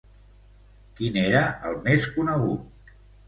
Quin era el més conegut?